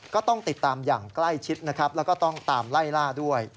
ก็ต้องติดตามอย่างใกล้ชิดนะครับแล้วก็ต้องตามไล่ล่าด้วย